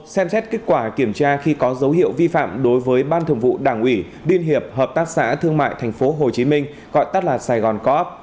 một xem xét kết quả kiểm tra khi có dấu hiệu vi phạm đối với ban thường vụ đảng ủy điên hiệp hợp tác xã thương mại tp hcm gọi tắt là sài gòn coop